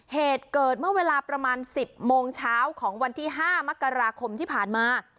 เหตุเกิดเมื่อเวลาประมาณ๑๐โมงเช้าของวันที่๕มกราคมที่ผ่านมา